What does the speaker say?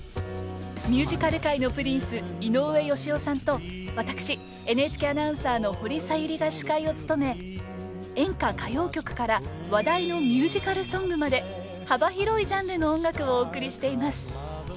ミュージカル界のプリンス井上芳雄さんと私ＮＨＫアナウンサーの保里小百合が司会を務め演歌歌謡曲から話題のミュージカルソングまで幅広いジャンルの音楽をお送りしています。